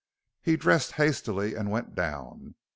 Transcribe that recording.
He dressed hastily and went down.